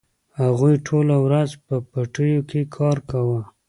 هغوی ټوله ورځ په پټیو کې کار کاوه.